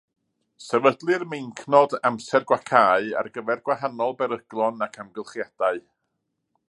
Sefydlir meincnod “amser gwacáu” ar gyfer gwahanol beryglon ac amgylchiadau.